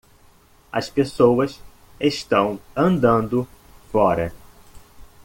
As pessoas estão andando fora.